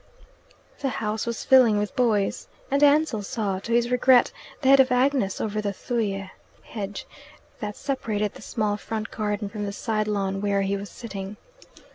The house was filling with boys, and Ansell saw, to his regret, the head of Agnes over the thuyia hedge that separated the small front garden from the side lawn where he was sitting.